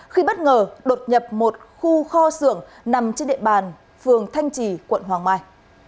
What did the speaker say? khi bất ngờ đột nhập một khu kho xưởng nằm trên địa bàn phường thanh trì quận hoàng mai